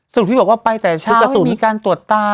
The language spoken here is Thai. สรุปพี่บอกว่าไปแต่เช้าไม่มีการตรวจตา